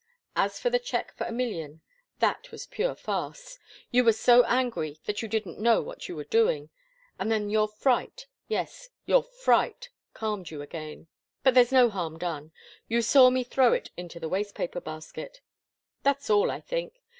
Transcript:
As for the cheque for a million that was pure farce. You were so angry that you didn't know what you were doing, and then your fright yes, your fright calmed you again. But there's no harm done. You saw me throw it into the waste paper basket. That's all, I think.